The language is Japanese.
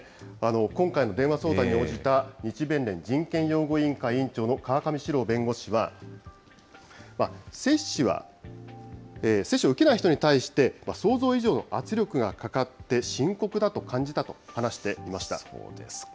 今回の電話相談に応じた日弁連人権擁護委員会委員長の川上詩朗弁護士は、接種を受けない人に対して、想像以上の圧力がかかって、そうですか。